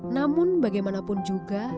namun bagaimanapun juga